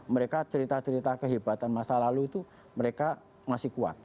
mereka cerita cerita kehebatan masa lalu itu mereka masih kuat